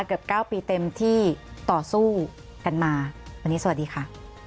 เกือบเก้าปีเต็มที่ต่อสู้กันมาวันนี้สวัสดีค่ะ